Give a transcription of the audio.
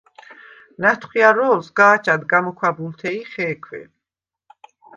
ნათხვიარო̄ლ სგა̄ჩად გამოქვაბულთე ი ხე̄ქვე: